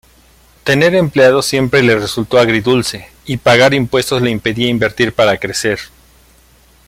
Tener empleados siempre le resultó agridulce, y pagar impuestos le impedía invertir para crecer.